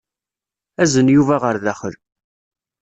Azen Yuba ɣer daxel.